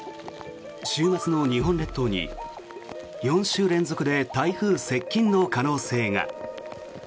週末の日本列島に４週連続で台風接近の可能性が。